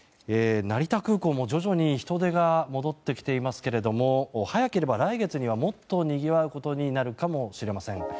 成田空港も徐々に人出が戻ってきていますけど早ければ来月にはもっとにぎわうことになるかもしれません。